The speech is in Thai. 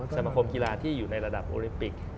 สมคมกีฬาที่อยู่ในระดับโอลิมปิก